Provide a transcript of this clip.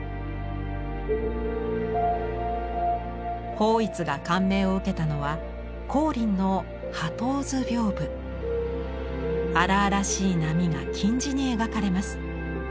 抱一が感銘を受けたのは光琳の荒々しい波が金地に描かれます。